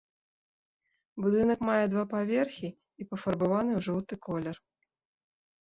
Будынак мае два паверхі і пафарбаваны ў жоўты колер.